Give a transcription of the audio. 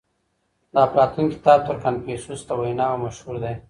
د افلاطون کتاب تر کنفوسوس د ويناوو مشهور دی.